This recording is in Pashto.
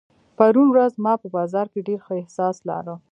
پرون ورځ ما په بازار کې ډېر ښه احساس لارۀ.